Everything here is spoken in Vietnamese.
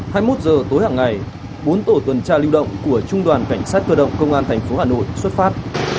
hai mươi một h tối hằng ngày bốn tổ tuần tra lưu động của trung đoàn cảnh sát cơ động công an tp hà nội xuất phát